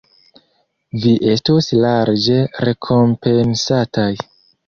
Vi estos larĝe rekompensataj.